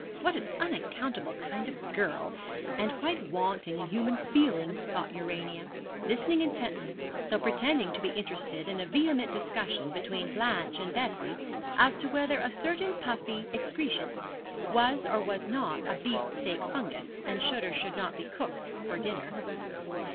What an unaccountable kind of girl, and quite wanting in human feeling, thought Urania, listening intently, though pretending to be interested in a vehement discussion between Blanche and Bessie as to whether a certain puffy excrescence was or was not a beef steak fungus, and should or should not be cooked for dinner.